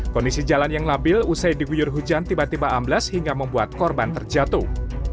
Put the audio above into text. kondisi jalan yang labil usai diguyur hujan tiba tiba amblas hingga membuat korban terjatuh